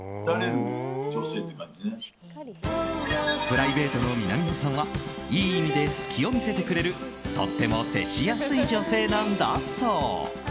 プライベートの南野さんはいい意味で隙を見せてくれるとっても接しやすい女性なんだそう。